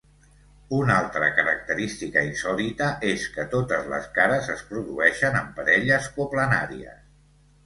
Una altra característica insòlita és que totes les cares es produeixen en parelles coplanàries.